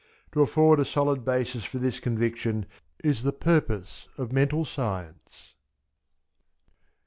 To afford a solid basis for this conviction is the purpose of Mental Science.